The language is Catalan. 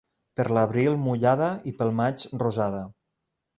Per l'abril mullada i pel maig rosada.